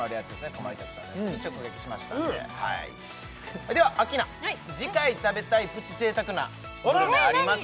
かまいたちさんたちに直撃しましたのでではアッキーナ次回食べたいプチ贅沢なグルメあります？